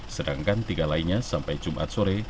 sedangkan tiga lainnya sampai jumat sore